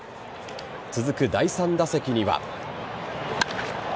続く、第３打席には。